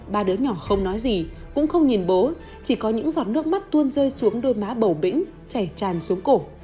ba đứa nhỏ không nói gì cũng không nhìn bố chỉ có những giọt nước mắt tuôn rơi xuống đôi má bầu bĩnh chảy tràn xuống cổ